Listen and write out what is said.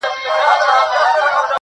زلمو به زړونه ښکلیو نجونو ته وړیا ورکول!